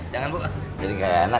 jangan bu jadi kayak enak